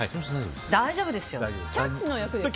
大丈夫ですよ。